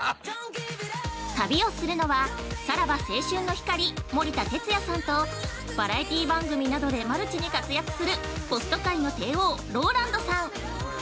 ◆旅をするのはさらば青春の光、森田哲矢さんとバラエティー番組などでマルチに活躍するホスト界の帝王ＲＯＬＡＮＤさん。